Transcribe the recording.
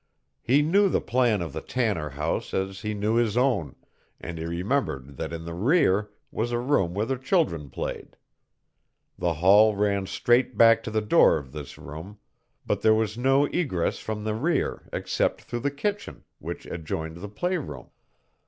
He knew the plan of the Tanner house as he knew his own, and he remembered that in the rear was a room where the children played. The hall ran straight back to the door of this room; but there was no egress from the rear except through the kitchen, which adjoined the play room.